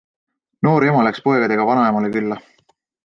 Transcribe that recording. Noor ema läks poegadega vanaemale külla.